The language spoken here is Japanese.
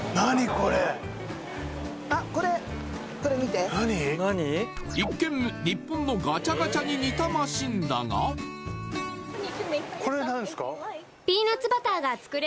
これこれ見て一見日本のガチャガチャに似たマシンだがこれ何ですか？